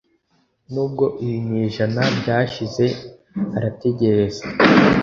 Nubwo ibinyejana byashize arategereza